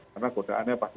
karena godaannya pasti